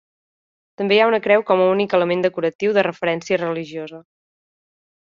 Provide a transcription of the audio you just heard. També hi ha una creu com a únic element decoratiu de referència religiosa.